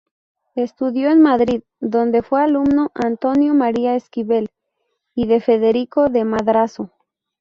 Estudió en Madrid, donde fue alumno Antonio María Esquivel y de Federico de Madrazo.